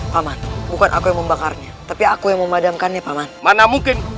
paman bukan aku yang membakarnya tapi aku yang memadamkannya paman mana mungkin